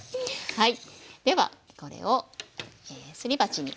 はい。